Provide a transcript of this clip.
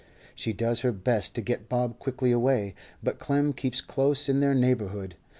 She does her best to get Bob quickly away, but Clem keeps close in their neighbourhood.